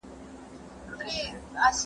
هر عيب لټوونکي ته د هلاکت زېری دی.